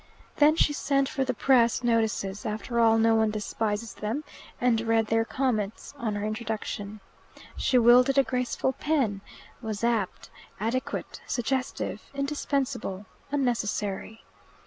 Then she sent for the press notices after all no one despises them and read their comments on her introduction. She wielded a graceful pen, was apt, adequate, suggestive, indispensable, unnecessary.